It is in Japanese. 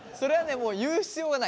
もう言う必要がない。